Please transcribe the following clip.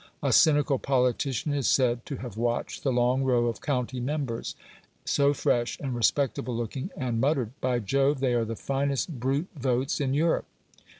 A cynical politician is said to have watched the long row of county members, so fresh and respectable looking, and muttered, "By Jove, they are the finest brute votes in Europe!"